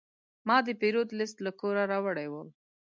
ما د پیرود لیست له کوره راوړی و.